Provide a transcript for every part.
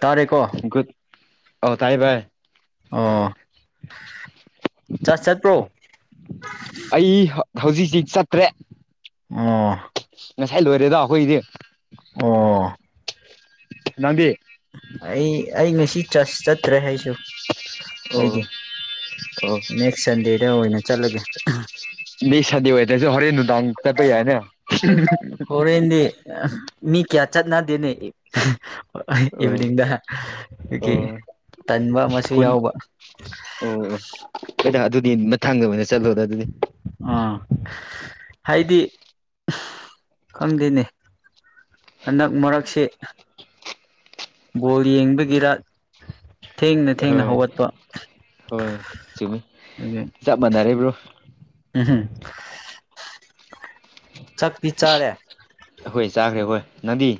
ꯇꯥꯔꯦꯀꯣ ꯒꯨꯠ ꯑꯣ ꯇꯥꯏ ꯚꯥꯏ ꯑꯣ ꯆꯥ ꯆꯠꯄ꯭ꯔꯣ ꯑꯩ ꯍꯧ ꯍꯧꯖꯤꯛꯁꯤ ꯆꯠꯇ꯭ꯔꯦ ꯑꯣ ꯉꯁꯥꯏ ꯂꯣꯏꯔꯦꯗꯣ ꯑꯩꯈꯣꯏꯗꯤ ꯑꯣ ꯅꯪꯗꯤ ꯑꯩ ꯑꯩ ꯉꯁꯤ ꯆꯁ ꯆꯠꯇ꯭ꯔꯦ ꯍꯩꯁꯨ ꯑꯩꯗꯤ ꯅꯦꯛꯁ ꯁꯟꯗꯦꯗ ꯑꯣꯏꯅ ꯆꯠꯂꯒꯦ ꯗꯤ ꯁꯟꯗꯦ ꯑꯣꯏꯗ꯭ꯔꯁꯨ ꯍꯣꯔꯦꯟ ꯅꯨꯡꯗꯥꯡ ꯆꯠꯄ ꯌꯥꯏꯅꯦ [unintelligible] ꯃꯤ ꯀꯌꯥ ꯆꯠꯅꯗꯦꯅꯦ ꯏꯚꯤꯅꯤꯡꯗ ꯑꯩꯈꯣꯏꯒꯤ ꯑꯣ ꯇꯟꯕ ꯑꯃꯁꯨ ꯈꯨꯟ ꯌꯥꯎꯕ ꯑꯣ ꯑꯣ ꯍꯣꯏꯗ ꯑꯗꯨꯗꯤ ꯃꯊꯪꯗ ꯑꯣꯏꯅ ꯆꯠꯂꯣꯗ ꯑꯗꯨꯗꯤ ꯑꯥ ꯍꯥꯏꯗꯤ ꯈꯪꯗꯦꯅꯦ ꯍꯟꯗꯛ ꯃꯔꯛꯁꯦ ꯕꯣꯜ ꯌꯦꯡꯕꯒꯤꯔ ꯊꯦꯡꯅ ꯊꯦꯡꯅ ꯍꯣꯏ ꯍꯧꯒꯠꯄ ꯍꯣꯏ ꯆꯨꯝꯃꯤ ꯆꯞ ꯃꯥꯟꯅꯔꯦ ꯕ꯭ꯔꯣ ꯎꯝꯍꯝ ꯆꯛꯇꯤ ꯆꯥꯔꯦ ꯑꯈꯣꯏ ꯆꯥꯈ꯭ꯔꯦ ꯍꯣꯏ ꯅꯪꯗꯤ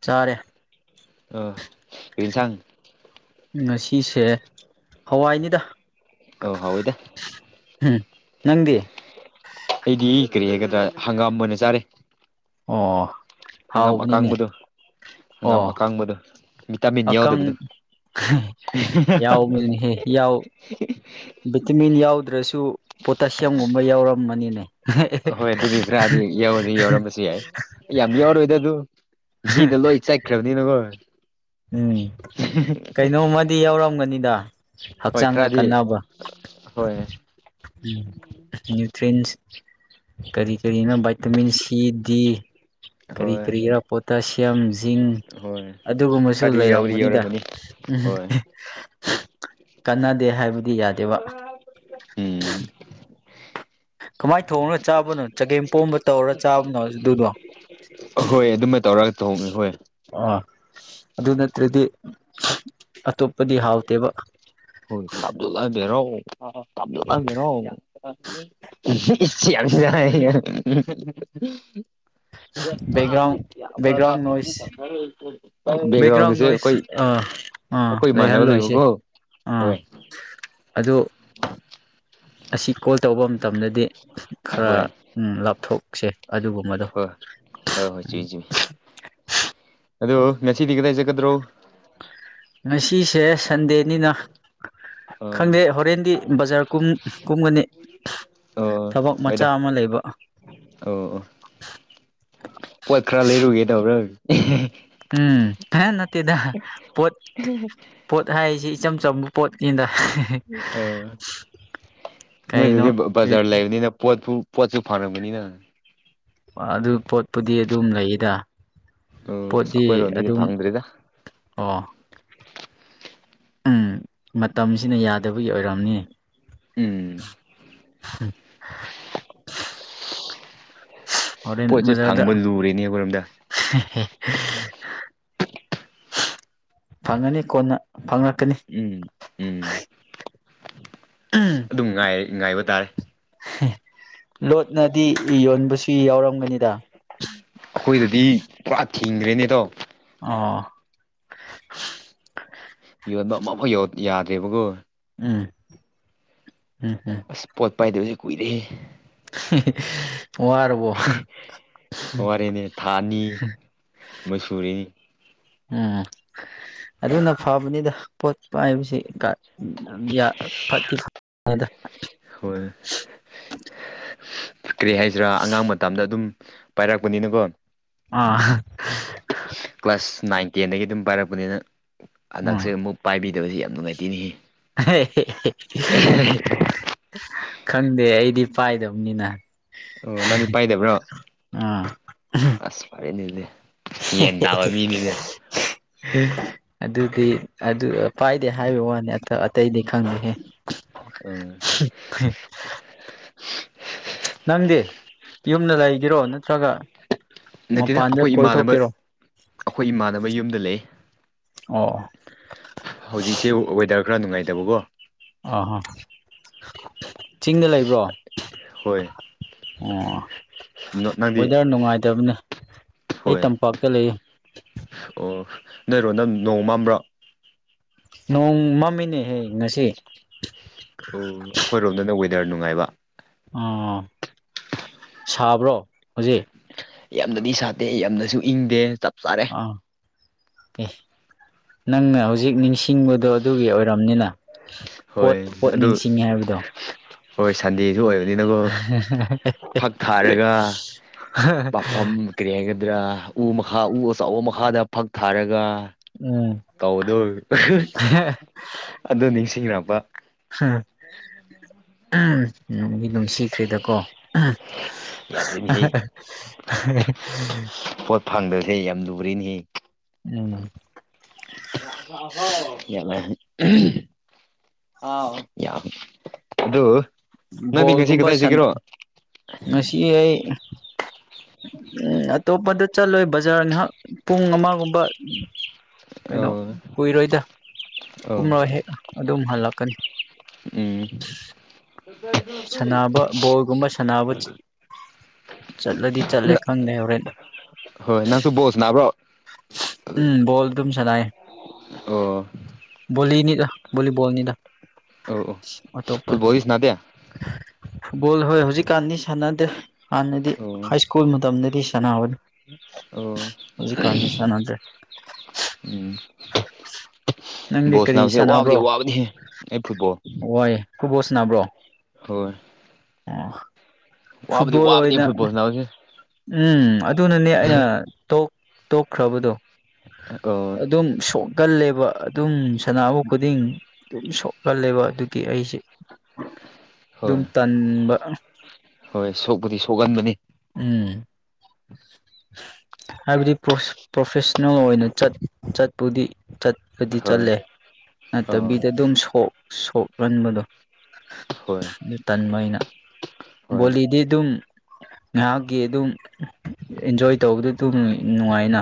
ꯆꯥꯔꯦ ꯑꯤ ꯀꯩ ꯏꯟꯁꯥꯡ ꯉꯁꯤꯁꯦ ꯍꯋꯥꯏꯅꯤꯗ ꯑꯧ ꯍꯥꯎ ꯏꯗ ꯍꯝ ꯅꯪꯗꯤ ꯑꯩꯗꯤ ꯀꯔꯤ ꯍꯥꯏꯒꯗ꯭ꯔꯥ ꯍꯪꯒꯥꯝ ꯑꯣꯏꯅ ꯆꯥꯔꯦ ꯑꯣ ꯍꯪꯒꯥꯝ ꯍꯥꯎꯕꯅꯤꯅꯦ ꯑꯀꯥꯡꯕꯗꯣ ꯍꯪꯒꯥꯝ ꯑꯣ ꯑꯀꯥꯡꯕꯗꯣ ꯚꯤꯇꯥꯃꯤꯟ ꯑꯀꯪ ꯌꯥꯎꯗꯕꯗꯣ ꯌꯥꯎꯕꯅꯤꯍꯦ ꯌꯥꯎ ꯚꯤꯇꯃꯤꯟ ꯌꯥꯎꯗ꯭ꯔꯁꯨ ꯄꯣꯇꯥꯁꯤꯌꯝꯒꯨꯝꯕ ꯌꯥꯎꯔꯝꯃꯅꯤꯅꯦ ꯑ ꯍꯣꯏ ꯑꯗꯨꯗꯤ ꯈꯔꯗꯤ ꯌꯥꯎꯔꯗꯤ ꯌꯥꯎꯔꯝꯕꯁꯨ ꯌꯥꯏ ꯌꯥꯝ ꯌꯥꯎꯔꯣꯏꯗ ꯑꯗꯨ ꯍꯗ ꯂꯣꯏ ꯆꯠꯈ꯭ꯔꯕꯅꯤꯅꯈꯣꯏ ꯎꯝ ꯀꯩꯅꯣꯝꯃꯗꯤ ꯌꯥꯎꯔꯝꯒꯅꯤꯗ ꯍꯣꯏ ꯍꯛꯆꯥꯡꯗ ꯈꯔꯗꯤ ꯀꯥꯟꯅꯕ ꯍꯣꯏ ꯎꯝ ꯅ꯭ꯌꯨꯇ꯭꯭ꯔꯔꯤꯟꯁ ꯀꯔꯤ ꯀꯔꯤꯅ ꯏꯇꯃꯤꯟ ꯁꯤ ꯗꯤ ꯀꯔꯤ ꯍꯣꯏ ꯀꯔꯤꯒꯤꯔ ꯄꯣꯇꯥꯁꯤꯌꯝ ꯖꯤꯡ ꯍꯣꯏ ꯑꯗꯨꯒꯨꯝꯕ ꯁꯨ ꯈꯔꯗꯤ ꯌꯧꯗꯤ ꯂꯩꯔꯝꯒꯅꯤꯗ ꯌꯧꯔꯝꯒꯅꯤ ꯎ ꯍꯣꯏ ꯀꯅꯗꯦ ꯍꯥꯏꯕꯗꯨ ꯎꯝ ꯀꯃꯥꯏꯅ ꯊꯣꯡꯉꯒ ꯆꯥꯕꯅꯣ ꯆꯒꯦꯝ ꯄꯣꯝꯕ ꯇꯧꯔ ꯆꯥꯕꯅꯣ ꯑꯗꯨꯗꯣ ꯍꯣꯏ ꯑꯗꯨꯃ ꯇꯧꯔꯒ ꯇꯧꯍꯅꯤ ꯍꯣꯏ ꯑꯣ ꯑꯗꯨ ꯅꯠꯇ꯭ꯔꯗꯤ ꯑꯇꯣꯞꯄꯗꯤ ꯍꯥꯎꯇꯦꯕ ꯍꯣꯏ ꯇꯥꯞꯗ ꯂꯥꯛꯑꯕꯦꯔꯣꯑꯣ ꯑꯁꯤ ꯌꯥ ꯕꯦꯛꯒ꯭ꯔꯥꯎꯟ ꯕꯦꯛꯒ꯭ꯔꯥꯎꯟ ꯅꯣꯏꯁ ꯕꯦꯛꯒ꯭ꯔꯥꯎꯟ ꯕꯦꯛꯒ꯭ꯔꯥꯎꯟꯗꯨꯁꯦ ꯑꯩꯈꯣꯏ ꯅꯣꯏꯁ ꯑꯥ ꯑꯥ ꯑꯩꯈꯣꯏ ꯏꯃꯥꯟꯅꯕ ꯂꯩꯕꯀꯣ ꯍꯣꯏ ꯑꯗꯨꯗ ꯑꯁꯤ ꯀꯣꯜ ꯇꯧꯕ ꯃꯇꯝꯗꯗꯤ ꯈꯔ ꯍꯣꯏ ꯂꯥꯞꯊꯣꯛꯆꯩ ꯑꯗꯨꯒꯨꯝꯕꯗꯣ ꯎ ꯍꯣꯏ ꯍꯣꯏ ꯍꯣꯏ ꯆꯨꯝꯃꯤ ꯆꯨꯝꯃꯤ ꯑꯗꯣ ꯉꯁꯤꯗꯤ ꯀꯗꯥꯏ ꯆꯠꯀꯗ꯭ꯔꯣ ꯉꯁꯤꯁꯦ ꯁꯟꯗꯦꯅꯤꯅ ꯑꯥ ꯈꯪꯗꯦ ꯍꯣꯔꯦꯟꯗꯤ ꯕꯖꯥꯔ ꯀ ꯀꯨꯝꯒꯅꯤ ꯑꯣ ꯊꯕꯛ ꯃꯆꯥ ꯍꯣꯏꯗ ꯑꯃ ꯂꯩꯕ ꯑꯣ ꯑꯣ ꯄꯣꯠ ꯈꯔ ꯂꯩꯔꯨꯒꯦ ꯇꯧꯕꯔꯥ ꯎꯝ ꯍꯦ ꯅꯠꯇꯗꯥ ꯄꯣꯠ ꯍ ꯄꯣꯠ ꯍꯥꯏꯔꯤꯁꯤ ꯏꯆꯝ ꯆꯝꯕ ꯄꯣꯠꯅꯤꯗ ꯑ ꯅꯣꯏꯗꯨꯗꯤ ꯀꯩꯅꯣ ꯕꯖꯥꯔ ꯂꯩꯕꯅꯤꯅ ꯄꯣꯠꯄꯨ ꯄꯣꯠꯆꯁꯨ ꯐꯥꯟꯅꯅꯤꯅ ꯑꯗꯨ ꯄꯣꯠꯄꯨꯗꯤ ꯑꯗꯨꯝ ꯂꯩꯗ ꯑꯣ ꯑꯁ ꯄꯣꯠꯇꯤ ꯑꯩꯀꯣꯏꯔꯣꯝꯗꯗꯤ ꯑꯗꯨꯝ ꯐꯪꯗ꯭ꯔꯤꯗ ꯑꯣ ꯎꯝ ꯃꯇꯝꯁꯤꯅ ꯌꯥꯗꯕꯒꯤ ꯑꯣꯏꯔꯝꯅꯤ ꯎꯝ ꯍꯣꯔꯦꯟ ꯄꯣꯠꯁꯦ ꯕꯖꯥꯔꯗ ꯐꯪꯕ ꯂꯨꯔꯦꯅꯦ ꯑꯩꯈꯔꯣꯝꯗ [unintelligible] ꯐꯪꯉꯅꯤ ꯀꯣꯟꯅ ꯐꯪꯂꯪꯂꯛꯀꯅꯤ ꯎꯝ ꯎꯝ ꯑꯗꯨꯝꯥꯏ ꯉꯥꯏꯕ ꯇꯥꯔꯦ ꯂꯣꯠꯅꯗꯤ ꯌꯣꯟꯕꯁꯨ ꯌꯥꯎꯔꯝꯒꯅꯤꯗ ꯑꯩꯈꯣꯏꯗꯗꯤ ꯄꯨꯔꯥ ꯊꯤꯡꯗ꯭ꯔꯦꯅꯦꯗꯣ ꯑ ꯌꯣꯟꯕ ꯑꯃꯐꯥꯎ ꯌꯥꯗ꯭ꯔꯦꯕꯒꯣ ꯎꯝ ꯎꯝ ꯎꯝ ꯑꯁ ꯄꯣꯠ ꯄꯥꯏꯗꯕꯁꯦ ꯀꯨꯏꯔꯦꯦ ꯑꯦ ꯋꯥꯔꯤꯦꯅꯦ ꯊꯥꯅꯤ ꯃꯁꯨꯔꯤꯅꯤ ꯎꯝ ꯑꯗꯨꯅ ꯐꯕꯅꯤꯗ ꯄꯣꯠ ꯄꯥꯏꯕꯁꯤ ꯎ ꯌꯥ ꯐ ꯍꯣꯏ ꯐꯈ꯭ꯔꯦ ꯍꯥꯏꯁꯤꯔꯥ ꯑꯉꯥꯡ ꯃꯇꯗ ꯑꯗꯨꯝ ꯄꯥꯏꯔꯛꯄꯅꯤꯅꯀꯣ ꯑꯥ ꯀ꯭ꯂꯥꯁ ꯅꯥꯏꯟ ꯇꯦꯟꯗꯒꯤ ꯑꯗꯨꯝ ꯄꯥꯏꯔꯛꯄꯅꯤꯅ ꯎꯝ ꯍꯟꯗꯛꯁꯦ ꯑꯃꯨꯛ ꯄꯥꯏꯕꯤꯗꯕꯁꯤ ꯌꯥꯝ ꯅꯨꯡꯉꯥꯏꯇꯦꯅꯤ ꯈꯪꯗꯦ ꯑꯩꯗꯤ ꯄꯥꯏꯗꯕꯅꯤꯅ ꯑꯣ ꯅꯪꯗꯤ ꯄꯥꯏꯗꯕ꯭ꯔꯣ ꯑꯥ ꯑꯁ ꯐꯔꯦꯅꯦꯗꯤ ꯌꯦꯟꯗꯥꯋꯥ ꯃꯤꯅꯤꯅꯦ ꯍ ꯑꯗꯨꯗꯤ ꯑꯗꯨ ꯄꯥꯏꯗꯦ ꯍꯥꯏꯕ ꯋꯥꯅꯤ ꯑꯇꯩꯗꯤ ꯈꯪꯗꯦꯍꯦ ꯍꯝ [inaudible] ꯅꯪꯗꯤ ꯌꯨꯝꯗ ꯂꯩꯒꯔꯣ ꯅꯠꯇ꯭ꯔꯒ ꯅꯠꯇꯦꯗ ꯃꯄꯥꯟꯗ ꯑꯩꯈꯣꯏ ꯏꯃꯥꯟꯅꯕ ꯀꯣꯏꯊꯣꯛꯇꯦꯔꯣ ꯑꯩꯈꯣꯏ ꯏꯃꯥꯟꯅꯕ ꯌꯨꯝꯗ ꯂꯩ ꯑꯣ ꯍꯧꯖꯤꯛꯁꯦ ꯋꯦꯗꯔ ꯈꯔ ꯅꯨꯡꯉꯥꯏꯇꯕꯀꯣ ꯑꯍꯥ ꯆꯤꯡꯗ ꯂꯩꯕ꯭ꯔꯣ ꯍꯣꯏ ꯑꯣ ꯅꯪꯗꯤ ꯋꯦꯗꯔ ꯅꯨꯡꯉꯥꯏꯇꯕꯅꯤ ꯑꯩ ꯍꯣꯏ ꯇꯝꯄꯥꯛꯇ ꯂꯩ ꯑꯣ ꯅꯣꯏꯔꯣ ꯅꯪ ꯅꯣꯡ ꯃꯝꯕ꯭ꯔꯣ ꯅꯣꯡ ꯃꯃꯤꯅꯦꯍꯦ ꯉꯁꯤ ꯑꯣ ꯑꯩꯈꯣꯏꯔꯣꯝꯗꯅ ꯋꯦꯗꯔ ꯅꯨꯡꯉꯥꯏꯕ ꯑꯣꯥ ꯁꯥꯕ꯭ꯔꯣ ꯍꯧꯖꯤꯛ ꯌꯥꯝꯅꯗꯤ ꯁꯥꯠꯇꯦ ꯌꯥꯝꯅꯁꯨ ꯏꯪꯗꯦ ꯆꯞ ꯆꯥꯔꯦ ꯑ ꯑꯦ ꯅꯪꯅ ꯍꯧꯖꯤꯛ ꯅꯤꯡꯁꯤꯡꯕꯗꯣ ꯑꯗꯨꯒꯤ ꯑꯣꯏꯔꯕꯝꯅꯤꯅ ꯄꯣꯠ ꯍꯣꯏ ꯄꯣꯠ ꯑꯗꯨ ꯅꯤꯡꯁꯤꯡꯉꯤ ꯍꯥꯏꯕꯗꯣ [inaudible] ꯍꯣꯏ ꯁꯟꯗꯦꯁꯨ ꯑꯣꯏꯕꯅꯤꯅꯀꯣ ꯐꯛ ꯊꯥꯔꯒ ꯄꯥꯐꯝ ꯀꯔꯤ ꯍꯥꯏꯒꯗ꯭ꯔꯥ ꯎ ꯃꯈꯥ ꯎ ꯑꯆꯕ ꯃꯈꯥꯗ ꯐꯛ ꯊꯥꯔꯒ ꯎꯝ ꯀꯧꯗꯣ ꯑꯗꯨꯣ ꯅꯤꯡꯁꯤꯡꯉꯛꯄ ꯍꯥ ꯎꯝ ꯅꯨꯡꯁꯤꯈ꯭ꯔꯤꯗꯀꯣ ꯌꯥꯗ꯭ꯔꯤꯅꯦꯍꯦ ꯐꯪꯗꯁꯦ ꯌꯥꯝ ꯂꯨꯔꯤꯅꯤ ꯎ ꯌꯥꯂ ꯑ ꯑꯗꯨ ꯅꯪꯗꯤ ꯉꯁꯤ ꯕꯣꯜꯒꯨꯝꯕ ꯁꯥꯟꯅ ꯀꯗꯥꯏꯖꯒꯔꯣ ꯉꯁꯤ ꯑꯩ ꯎꯝ ꯑꯇꯣꯞꯄꯗ ꯆꯠꯂꯣꯏ ꯕꯖꯥꯔ ꯉꯍꯥꯛ ꯄꯨꯡ ꯑꯃꯒꯨꯝꯕ ꯀꯩꯅꯣ ꯑꯣ ꯀꯨꯏꯔꯣꯏꯗ ꯑꯣ ꯀꯨꯝꯔꯣꯏ ꯍꯦꯛ ꯑꯗꯨꯝ ꯍꯜꯂꯛꯀꯅꯤ ꯎꯝ ꯁꯥꯟꯅꯕ ꯕꯣꯜꯒꯨꯝꯕ ꯁꯥꯟꯅꯕ ꯆꯠꯂꯗꯤ ꯆꯠꯂꯦ ꯈꯪꯗꯦ ꯍꯧꯣꯔꯦꯅ ꯍꯣꯏ ꯅꯪꯁꯨ ꯕꯣꯜ ꯁꯥꯟꯅꯕ꯭ꯔꯣ ꯎꯝ ꯣꯜ ꯇꯝ ꯆꯅꯥꯏ ꯑꯣ ꯣꯅꯤꯗ ꯣꯕꯣꯜꯅꯤꯗ ꯑ ꯑ ꯐꯨꯠꯕꯜꯒꯤꯁꯅꯥꯗꯦ ꯐꯨꯠꯕꯣꯜ ꯍꯣꯏ ꯍꯧꯖꯤꯛ ꯀꯥꯟꯅꯤ ꯁꯥꯟꯅꯗꯦ ꯍꯥꯟꯅꯗꯤ ꯑꯣ ꯍꯥꯏ ꯁ꯭ꯀꯨꯜ ꯃꯇꯝꯗꯗꯤ ꯁꯥꯟꯅꯕꯅꯤ ꯑꯣ ꯍꯧꯖꯤꯛꯀꯥꯟꯗꯤ ꯁꯥꯟꯅꯗ꯭ꯔꯦ ꯎꯝ [inaudible] ꯅꯪꯗꯤ ꯕꯣꯜ ꯀꯔꯤ ꯁꯥꯟꯅꯕꯁꯦ ꯋꯥꯕꯗꯤ ꯁꯥꯟꯅꯕ꯭ꯔꯣ ꯋꯥꯕꯅꯤꯍꯦ ꯑꯩ ꯐꯨꯠꯕꯣꯜ ꯋꯥꯏ ꯈꯨꯕꯣꯜ ꯁꯥꯟꯅꯕ꯭ꯔꯣ ꯍꯣꯏ ꯑꯣ ꯋꯥꯕꯗꯤ ꯐꯨꯠꯕꯣꯜ ꯋꯥꯕꯅꯤ ꯑꯣꯏꯅ ꯐꯨꯠꯕꯣꯜ ꯁꯥꯟꯅꯕꯁꯦ ꯎꯝ ꯑꯗꯨꯅꯅꯦ ꯑꯩꯅ ꯇꯣꯛ ꯇꯣꯛꯈ꯭ꯔꯕꯗꯣ ꯑꯣ ꯑꯗꯨꯝ ꯁꯣꯅꯤ ꯀꯜꯂꯦꯕ ꯑꯗꯨꯝ ꯁꯅꯥꯅꯕ ꯈꯨꯗꯤꯡ ꯑꯗꯨꯝ ꯁꯣꯛꯀꯜꯂꯦꯕ ꯑꯗꯨꯒꯤ ꯑꯩꯁꯦ ꯑꯗꯨꯝ ꯍꯣꯏ ꯇꯟꯕ ꯍꯣꯏ ꯁꯣꯛꯄꯗꯤ ꯁꯣꯛꯍꯟꯕꯅꯤ ꯎꯝ ꯍꯥꯏꯕꯗꯤ ꯄ꯭ꯔꯣꯐꯦꯁꯅꯦꯜ ꯑꯣꯏꯅ ꯆꯠ ꯆꯠꯄꯨꯗꯤ ꯀꯗꯤ ꯍꯣꯏ ꯆꯜꯂꯦ ꯑꯥ ꯅꯠꯇꯕꯤꯗ ꯑꯗꯨꯝ ꯁꯣꯛ ꯁꯣꯛꯍꯟꯕꯗꯣ ꯍꯣꯏ ꯑꯗꯨ ꯇꯟꯕ ꯑꯩꯅ ꯍꯣꯏ ꯕꯣꯂꯤꯗꯤ ꯑꯗꯨꯝ ꯉꯥꯏꯍꯥꯛꯀꯤ ꯑꯗꯨꯝ ꯑꯦꯟꯖꯣꯏ ꯇꯧꯕꯗꯣ ꯑꯗꯨꯝ ꯅꯨꯡꯉꯥꯏꯅ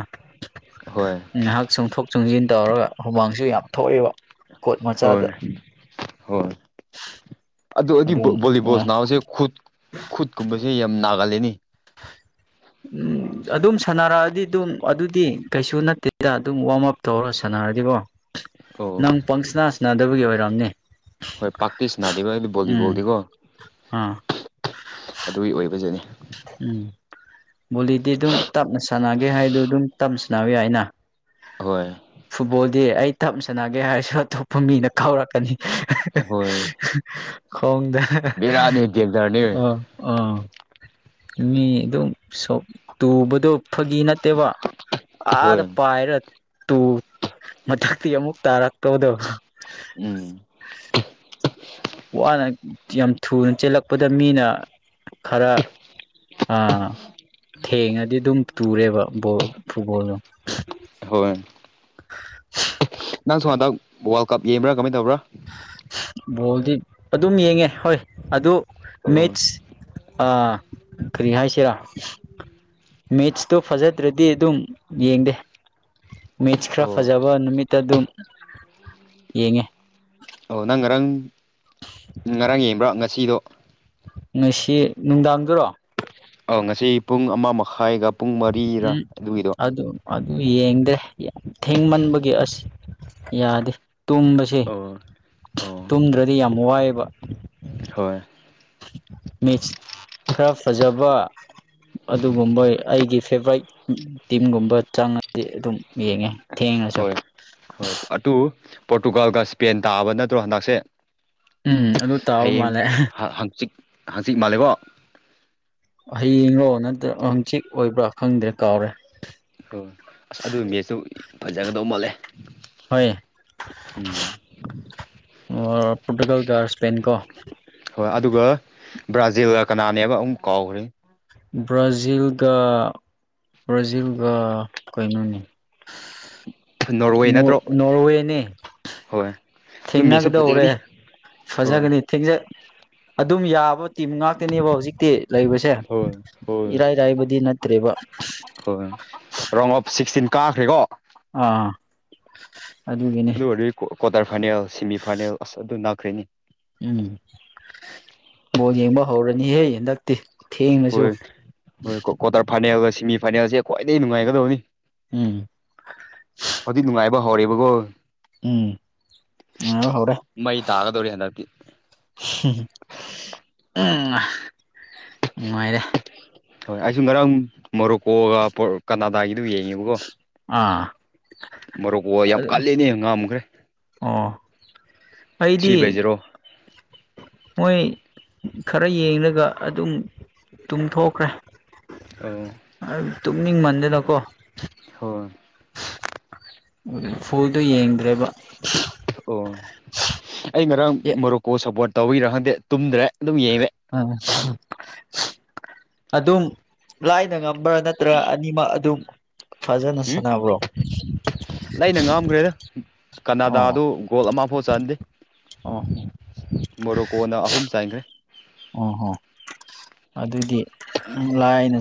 ꯍꯣꯏ ꯉꯥꯏꯍꯥꯛ ꯆꯣꯡꯊꯣꯛ ꯆꯣꯡꯁꯤꯟ ꯇꯧꯔꯒ ꯍꯨꯃꯥꯡꯁꯨ ꯌꯥꯝ ꯊꯣꯛꯑꯦꯕ ꯀꯣꯠ ꯍꯣꯏ ꯃꯆꯥꯗ ꯍꯣꯏ ꯑꯗꯨ ꯑꯩꯗꯤ ꯑꯗꯨꯝ ꯕꯣꯂꯤꯕꯣꯜ ꯅꯨꯡꯉꯥꯏ ꯁꯅꯥꯎꯕꯁꯦ ꯈꯨꯠ ꯈꯨꯠꯀꯨꯝꯕꯁꯦ ꯌꯥꯝ ꯅꯥꯒꯥꯂꯦꯟꯅꯤ ꯎꯝ ꯑꯗꯨꯝ ꯁꯥꯟꯅꯔꯛꯑꯗꯤ ꯑꯗꯨꯝ ꯑꯗꯨꯗꯤ ꯀꯩꯁꯨ ꯅꯠꯇꯦꯗ ꯑꯗꯨꯝ ꯋꯥꯔꯝ ꯑꯞ ꯇꯧꯔꯥ ꯁꯥꯟꯅꯔꯗꯤꯕꯣ ꯑꯣ ꯅꯪ ꯄꯪꯁꯅꯥ ꯁꯟꯅꯗꯕꯒꯤ ꯑꯣꯏꯔꯝꯅꯤ ꯍꯣꯏ ꯄꯥꯛꯇꯤ ꯁꯟꯅꯥꯗꯦꯕ ꯍꯥꯏꯕꯗꯤ ꯎꯝ ꯕꯣꯂꯤꯕꯣꯜꯗꯤꯀꯣ ꯑꯥ ꯑꯗꯨꯒꯤ ꯑꯣꯏꯕꯁꯤꯅꯤ ꯎꯝ ꯕꯣꯂꯤꯗꯤ ꯑꯗꯨꯝ ꯇꯞꯅ ꯁꯥꯟꯅꯒꯦ ꯍꯥꯏꯗꯨ ꯑꯗꯨꯝ ꯇꯞꯅ ꯁꯥꯟꯅꯕ ꯌꯥꯏ ꯑꯩꯅ ꯍꯣꯏ ꯐꯨꯠꯕꯣꯜꯗꯤ ꯑꯩ ꯇꯞ ꯁꯥꯟꯅꯒꯦ ꯍꯥꯏꯔꯁꯨ ꯑꯇꯣꯞꯄ ꯐꯨꯝꯃꯤꯅ ꯈꯥꯎꯔꯛꯀꯅꯤ ꯍꯣꯏ ꯈꯣꯡꯗ ꯕꯦꯔꯥꯅꯦ ꯗꯦꯟꯖꯔꯅꯦ ꯑꯣ ꯑꯣ ꯃꯤ ꯑꯗꯨꯝ ꯁꯣꯛ ꯇꯨꯕꯗꯣ ꯐꯥꯒꯤ ꯅꯠꯇꯦꯕ ꯑꯥꯗ ꯍꯣꯏ ꯄꯥꯏꯔ ꯇꯨ ꯃꯊꯛꯇꯤ ꯑꯃꯨꯛ ꯇꯥꯔꯛꯇꯧꯗꯣ ꯎꯝ ꯋꯥꯅ ꯌꯥꯝ ꯊꯨꯅ ꯆꯦꯜꯂꯛꯄꯗ ꯃꯤꯅ ꯈꯔ ꯑꯥ ꯊꯦꯡꯉꯗꯤ ꯑꯗꯨꯝ ꯇꯨꯔꯦꯕ ꯕꯣꯜ ꯐꯨꯠꯕꯣꯜꯗꯣ ꯍꯣꯏ ꯅꯪ ꯁꯣ ꯍꯟꯗꯛ ꯋꯥꯔꯜ ꯀꯞ ꯌꯦꯡꯕ꯭ꯔꯥ ꯀꯃꯥꯏ ꯇꯧꯕ꯭ꯔꯥ ꯕꯣꯜꯗꯤ ꯑꯗꯨꯝ ꯌꯦꯡꯉꯦ ꯍꯣꯏ ꯑꯗꯨ ꯑꯣ ꯃꯦꯠꯁ ꯑꯥ ꯀꯔꯤ ꯍꯥꯏꯁꯤꯔꯥ ꯃꯤꯠꯁꯇꯣ ꯐꯖꯗ꯭ꯔꯗꯤ ꯑꯗꯨꯝ ꯌꯦꯡꯗꯦ ꯃꯦꯠꯁ ꯑꯣ ꯈꯔ ꯐꯖꯕ ꯅꯨꯃꯤꯠꯇ ꯑꯗꯨꯝ ꯌꯦꯡꯉꯦ ꯑꯣ ꯅꯪ ꯉꯔꯥꯡ ꯉꯔꯥꯡ ꯌꯦꯡꯕ꯭ꯔꯣ ꯉꯁꯤꯗꯣ ꯉꯁꯤ ꯅꯨꯡꯗꯥꯡꯗꯨꯔꯣ ꯉꯁꯤ ꯄꯨꯡ ꯑꯃ ꯃꯈꯥꯏꯒ ꯄꯨꯡ ꯃꯔꯤꯔꯥ ꯎꯝ ꯑꯗꯨꯒꯤꯗꯣ ꯑꯗ ꯑꯗꯨ ꯌꯦꯡꯗꯦ ꯊꯦꯡꯃꯟꯕꯒꯤ ꯑꯁ ꯌꯥꯗꯦ ꯇꯨꯝꯕꯁꯦ ꯑꯣ ꯑꯣ ꯇꯨꯝꯗ꯭ꯔꯗꯤ ꯌꯥꯝ ꯋꯥꯏꯑꯕ ꯍꯣꯏ ꯃꯤꯁ ꯈꯔ ꯐꯖꯕ ꯑꯗꯨꯒꯨꯝꯕꯣꯏ ꯑꯩꯒꯤ ꯐꯦꯚꯣꯔꯥꯏꯠ ꯇꯤꯝꯒꯨꯝꯕ ꯆꯪꯉꯗꯤ ꯑꯗꯨꯝ ꯌꯦꯡꯉꯦ ꯊꯦꯡꯉꯁꯨ ꯍꯣꯏ ꯍꯣꯏ ꯑꯗꯨ ꯄꯣꯔꯇꯨꯒꯥꯜꯒ ꯏꯁꯄꯦꯟ ꯇꯥꯕ ꯅꯠꯇ꯭ꯔꯣ ꯍꯟꯗꯛꯁꯦ ꯎꯝ ꯑꯗꯨ ꯇꯥꯕ ꯍꯌꯦꯡ ꯃꯥꯜꯂꯦ ꯍꯥꯡꯆꯤꯛ ꯍꯥꯡꯆꯤꯛ ꯃꯥꯜꯂꯦꯕꯣ ꯍꯌꯦꯡꯔꯣ ꯅꯠꯇ꯭ꯔ ꯍꯪꯆꯤꯠ ꯑꯣꯏꯕ꯭ꯔꯥ ꯈꯪꯗ꯭ꯔꯦ ꯀꯥꯎꯔꯦ ꯍꯣꯏ ꯑꯁ ꯑꯗꯨ ꯃꯦꯠꯆꯇꯨ ꯐꯖꯒꯗꯧ ꯃꯣꯠꯂꯦ ꯍꯣꯏ ꯑꯣ ꯄꯣꯔꯇꯨꯒꯜꯒꯒꯥ ꯏꯁꯄꯦꯟ ꯀꯣ ꯍꯣꯏ ꯑꯗꯨꯒ ꯕ꯭ꯔꯥꯖꯤꯜꯒ ꯀꯅꯥꯅꯦꯕ ꯑꯃꯨꯛ ꯀꯥꯎꯈ꯭ꯔꯦ ꯕ꯭ꯔꯥꯖꯤꯜꯒ ꯕ꯭ꯔꯥꯖꯤꯜꯒ ꯀꯩꯅꯣꯅꯤ ꯅꯣꯔꯋꯦ ꯅꯠꯇ꯭ꯔꯣ ꯅꯣꯔꯋꯦꯅꯦ ꯍꯣꯏ ꯑꯗꯨ ꯃꯦꯠꯁꯁꯨ ꯊꯦꯡꯅꯒꯗꯧꯔꯦ ꯐꯖꯒꯅꯤ ꯍꯣꯏ ꯐꯖꯒꯅꯤ ꯊꯦꯡꯖ ꯑꯗꯨꯝ ꯌꯥꯕ ꯇꯤꯝ ꯉꯥꯛꯇꯅꯦꯕ ꯍꯧꯖꯤꯛꯇꯤ ꯂꯩꯕꯁꯦ ꯍꯣꯏ ꯍꯣꯏ ꯏꯔꯥꯏꯔꯥꯏꯕꯗꯤ ꯅꯠꯇ꯭ꯔꯦꯕ ꯍꯣꯏ ꯔꯣꯡ ꯑꯣꯐ ꯁꯤꯛꯁꯇꯤꯟ ꯀꯥꯈ꯭ꯔꯦꯀꯣ ꯑꯥ ꯑꯗꯨꯒꯤꯅꯤ ꯑꯗꯨ ꯑꯣꯏꯔꯗꯤ ꯀ꯭ꯋꯥꯇꯔ ꯐꯥꯏꯅꯦꯜ ꯁꯦꯃꯤꯐꯥꯏꯅꯦꯜ ꯑꯁ ꯑꯗꯨ ꯅꯅꯥꯈ꯭ꯔꯦꯅꯤ ꯎꯝ ꯕꯣꯜ ꯌꯦꯡꯕ ꯍꯧꯔꯅꯤꯍꯦ ꯍꯟꯗꯛꯇꯤ ꯊꯦꯡꯅꯁꯨ ꯍꯣꯏ ꯍꯣꯏ ꯀ꯭ꯋꯥꯇꯔ ꯐꯥꯏꯅꯦꯜꯒ ꯁꯦꯃꯤ ꯐꯥꯏꯅꯦꯜꯁꯦ ꯈ꯭ꯋꯥꯏꯗꯒꯤ ꯅꯨꯡꯉꯥꯏꯒꯗꯕꯅꯤ ꯎꯝ ꯍꯧꯖꯤꯛ ꯅꯨꯡꯉꯥꯏꯕ ꯍꯧꯔꯦꯕꯀꯣ ꯎꯝ ꯑ ꯐꯥꯎꯔꯦ ꯃꯩ ꯇꯥꯒꯗꯧꯔꯦ ꯍꯟꯗꯛꯇꯤ ꯅꯨꯡꯉꯥꯏꯔꯦ ꯍꯣꯏ ꯑꯩꯁꯨ ꯉꯔꯥꯡ ꯃꯣꯔꯣꯛꯀꯣꯒ ꯀꯅꯥꯗꯥꯒꯤꯗꯨꯝ ꯌꯦꯡꯉꯦꯕꯀꯣ ꯑꯥ ꯃꯔꯨꯞꯀ ꯌꯥꯝ ꯀꯂꯅꯦ ꯉꯥꯝꯈ꯭ꯔꯦ ꯑꯥ ꯊ꯭ꯔꯤ ꯕꯥꯏ ꯑꯩꯗꯤ ꯖꯦꯔꯣ ꯃꯣꯏ ꯈꯔ ꯌꯦꯡꯂꯒ ꯑꯗꯨꯝ ꯇꯨꯝꯊꯣꯛꯈ꯭ꯔꯦ ꯑ ꯇꯨꯝꯅꯤꯡꯃꯟꯗꯅꯀꯣ ꯍꯣꯏ ꯐꯣꯜꯗꯨꯣ ꯌꯦꯡꯗ꯭ꯔꯦꯕ ꯑꯣ ꯑꯩ ꯉꯔꯥꯡ ꯃꯣꯔꯣꯛꯀꯣ ꯁꯞꯄꯣꯔꯠ ꯇꯧꯕꯤꯔꯥ ꯈꯪꯗꯦ ꯇꯨꯝꯗ꯭ꯔꯦ ꯑꯗꯨꯝꯡꯉ ꯎꯝ ꯑꯗꯨꯝ ꯂꯥꯏꯗ ꯉ ꯅꯝꯕꯔ ꯅꯠꯇ꯭ꯔꯒ ꯑꯅꯤꯃꯛ ꯑꯗꯨꯝ ꯐꯖꯅ ꯁꯥꯟꯅꯕ꯭ꯔꯣ ꯂꯩꯩꯅ ꯉꯝꯈ꯭ꯔꯦꯗ ꯑꯣ ꯀꯅꯥꯗꯥꯗꯨ ꯒꯣꯜ ꯑꯃꯐꯥꯎ ꯆꯍꯟꯗꯦ ꯑꯣ ꯃꯣꯔꯣꯀꯣꯅ ꯑꯍꯨꯝ ꯆꯥꯏꯈ꯭ꯔꯦ ꯑꯣꯍꯣ ꯑꯗꯨꯗꯤ ꯂꯥꯏꯅ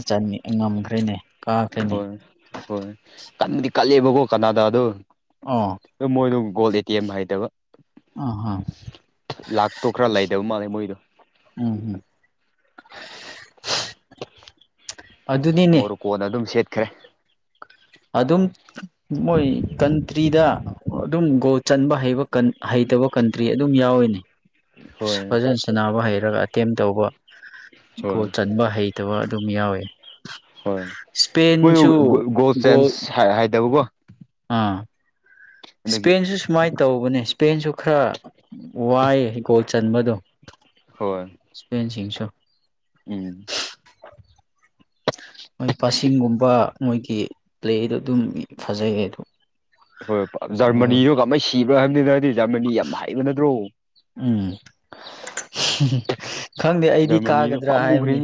ꯉꯝꯈ꯭ꯔꯦꯅꯦ ꯀꯥꯈ꯭ꯔꯦꯅꯦ ꯍꯣꯏ ꯍꯣꯏ ꯀꯟꯕꯨꯗꯤ ꯀꯠꯂꯦꯕꯀꯣ ꯀꯅꯥꯗ ꯑꯗꯣ ꯑꯥ ꯃꯣꯏꯗꯨ ꯒꯣꯜꯗ ꯑꯦ ꯇꯤ ꯑꯦꯝ ꯍꯥꯏꯗꯕ ꯑꯥ ꯍꯥ ꯂꯥꯛꯇꯣ ꯈꯔ ꯂꯩꯗꯕ ꯃꯥꯜꯂꯦ ꯃꯣꯏꯗꯣ ꯎꯝ ꯎꯝ ꯑꯗꯨꯗꯤꯅꯦ ꯀꯣꯟ ꯑꯗꯨꯝ ꯁꯦꯠꯈ꯭ꯔꯦ ꯑꯗꯨꯝ ꯃꯣꯏ ꯀꯟꯇ꯭ꯔꯤꯗ ꯑꯗꯨꯝ ꯒꯣ ꯆꯟꯕ ꯍꯩꯕ ꯍꯩꯇꯕ ꯀꯟꯇ꯭ꯔꯤ ꯑꯗꯨꯝ ꯌꯥꯎꯋꯅꯦ ꯍꯣꯏ ꯐꯖꯅ ꯁꯅꯕ ꯍꯩꯔꯒ ꯑꯦꯇꯦꯝ ꯇꯧꯕ ꯀꯣ ꯍꯣꯏ ꯆꯟꯕ ꯍꯩ ꯐꯠꯇꯕ ꯑꯗꯨꯝ ꯌꯥꯎꯋꯦ ꯍꯣꯏ ꯃꯣꯏ ꯒꯣꯜ ꯆꯦꯟꯁ ꯍꯥꯏꯗꯕꯀꯣ ꯎꯝ ꯑꯗꯨꯒꯤ ꯏꯁꯄꯦꯟꯁꯨ ꯁꯨꯃꯥꯏꯅ ꯇꯧꯕꯅꯦ ꯁꯄꯦꯟꯁꯨ ꯈꯔ ꯋꯥꯏꯑ ꯒꯣꯜ ꯆꯟꯕꯗꯣ ꯍꯣꯏ ꯁ꯭ꯄꯦꯟꯁꯤꯡꯁꯨ ꯎꯝ ꯃꯣꯏ ꯄꯆꯒꯨꯝꯕ ꯃꯣꯏꯒꯤ ꯄ꯭ꯂꯦꯗꯣ ꯑꯗꯨꯝ ꯐꯖꯩ ꯑꯣ ꯍꯣꯏ ꯖꯔꯃꯅꯤꯁꯨꯣ ꯀꯃꯍꯥꯏ ꯁꯤꯕ꯭ꯔꯥ ꯍꯥꯏꯕꯅꯤꯅꯗꯤ ꯖꯔꯃꯅꯤ ꯌꯥꯝ ꯍꯩꯕ ꯅꯠꯇ꯭ꯔꯣ ꯎꯝ ꯈꯪꯗꯦ ꯑꯩꯗꯤ ꯖꯔꯃꯅꯤꯗꯣ ꯀꯥꯒꯗ꯭ꯔꯥ ꯍꯥꯏꯕꯅꯤ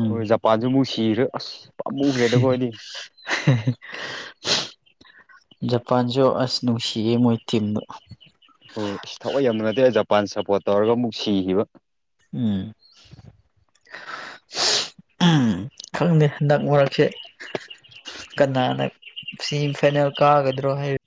ꯎꯝ ꯃꯄꯥꯥꯟꯁꯤꯃꯨꯛ ꯁꯤꯔꯦ ꯑꯁ ꯄꯥꯝ ꯃꯨꯈ꯭ꯔꯦꯗꯀꯣ ꯑꯩꯗꯤ [inaudible] ꯖꯄꯥꯟꯁꯨ ꯑꯁ ꯅꯨꯡꯁꯤꯌꯦꯦ ꯃꯣꯏ ꯇꯤꯝꯗꯨ ꯑꯣ ꯊꯋꯥꯏ ꯌꯥꯝꯅ ꯅꯠꯇꯦ ꯖꯄꯥꯟ ꯁꯞꯄꯣꯔꯠ ꯇꯧꯔꯒ ꯑꯃꯨꯛ ꯁꯤꯈꯤꯕ ꯎꯝ ꯎꯝ ꯈꯪꯗꯦ ꯅꯛ ꯃꯔꯛꯁꯦ ꯀꯅꯥꯅ ꯁꯤ ꯐꯦꯅꯦꯜ ꯀꯥꯒꯗ꯭ꯔꯣ ꯍꯥꯏ